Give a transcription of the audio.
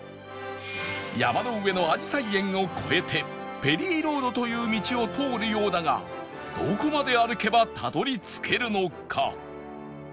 山の上のあじさい園を越えてペリーロードという道を通るようだがどこまで歩けばたどり着けるのか？